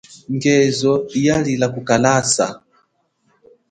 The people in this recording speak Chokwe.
Ngezo hiya lila kukalasa.